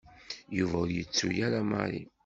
Yuba ur yettu ara Mary.